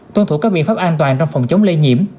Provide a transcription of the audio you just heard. tuân thủ các biện pháp an toàn trong phòng chống lây nhiễm